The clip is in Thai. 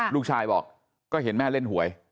ลูกชายบอกก็เห็นแม่เล่นหวย